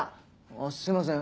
あっすいません